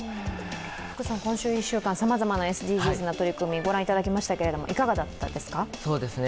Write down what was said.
福さん、この１週間さまざまなＳＤＧｓの取り組みをご覧いただきましたが、いかがでしたか？